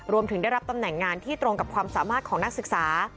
รวมถึงได้รับตำแหน่งงานที่ตรงกับความสามารถของนักศึกษา